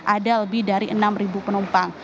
ada lebih dari enam penumpang